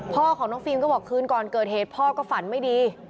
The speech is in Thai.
พ่อของน้องฟิล์มก็บอกคืนก่อนเกิดเหตุพ่อก็ฝันไม่ดี